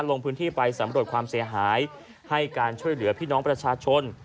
ลงพื้นที่ไปสำรวจความเสียหายให้การช่วยเหลือพี่น้องประชาชน